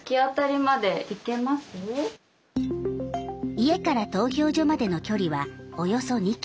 家から投票所までの距離はおよそ２ｋｍ。